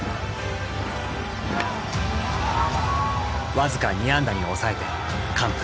僅か２安打に抑えて完封。